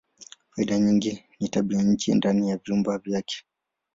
Faida nyingine ni tabianchi ndani ya vyumba vyake.